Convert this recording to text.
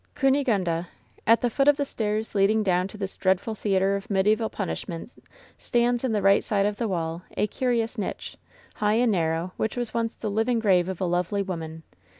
Cunigunda. At the foot of the stairs leading down to this dreadful theater of mediaeval punishment stands, in the right side of the wall, a curious niche, high and narrow, which was once the living grave of a lovely woman.